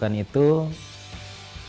ya jangan julukan itu